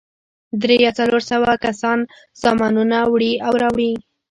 درې یا څلور سوه کسان سامانونه وړي او راوړي.